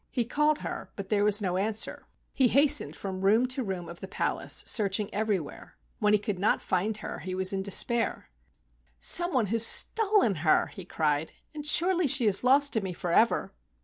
He called her, but there was no answer; he hastened from room to room of the palace, searching everywhere. When he could not find her he was in despair. "Some one has stolen her," he cried, "and surely she is lost to me forever."